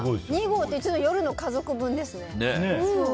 ２合ってうちの夜の家族分ですね。